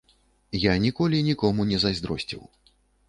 Я ніколі нікому не зайздросціў.